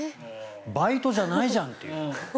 バイトじゃないじゃんという。